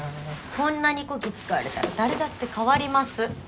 こんなにこき使われたら誰だって変わります